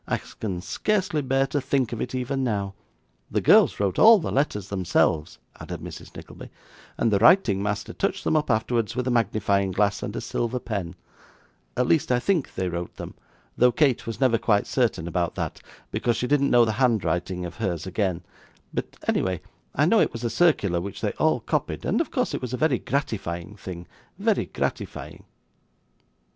I can scarcely bear to think of it even now. The girls wrote all the letters themselves,' added Mrs. Nickleby, 'and the writing master touched them up afterwards with a magnifying glass and a silver pen; at least I think they wrote them, though Kate was never quite certain about that, because she didn't know the handwriting of hers again; but anyway, I know it was a circular which they all copied, and of course it was a very gratifying thing very gratifying.